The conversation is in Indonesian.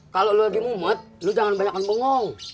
kalau lo lagi mumet lo jangan banyakkan bongong